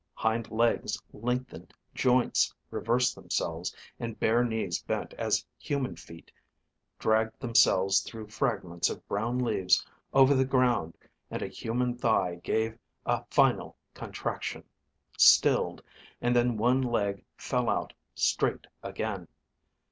Hind legs lengthened, joints reversed themselves, and bare knees bent as human feet dragged themselves through fragments of brown leaves over the ground and a human thigh gave a final contraction, stilled, and then one leg fell out straight again.